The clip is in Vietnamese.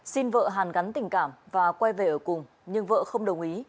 xin vợ hàn gắn tình cảm và quay về ở cùng nhưng vợ không đồng ý